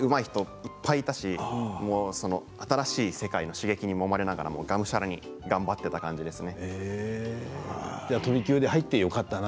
本当にうまい人がいっぱいいたし新しい世界の刺激にもまれながらもさらに、がむしゃらに頑張っていた感じですね。